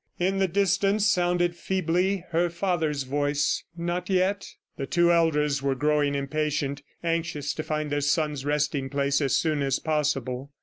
In the distance sounded feebly her father's voice: "Not yet?" The two elders were growing impatient, anxious to find their son's resting place as soon as possible.